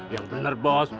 yang bener bos